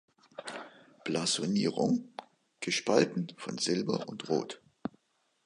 Blasonierung: „Gespalten von Silber und Rot.